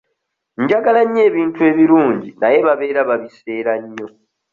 Njagala nnyo ebintu ebirungi naye babeera babiseera nnyo.